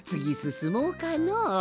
すもうかの。